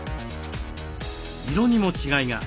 色にも違いが。